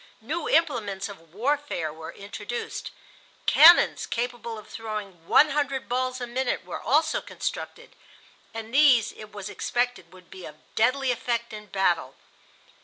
New implements of warfare were introduced. Cannons capable of throwing one hundred balls a minute were also constructed, and these, it was expected, would be of deadly effect in battle.